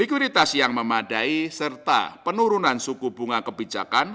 likuiditas yang memadai serta penurunan suku bunga kebijakan